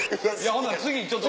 ほな次ちょっと。